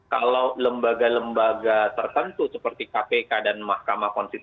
kalau lembaga lembaga tertentu seperti kpk dan mahkamah konstitusi